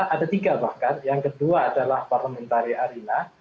ada tiga bahkan yang kedua adalah parliamentary arena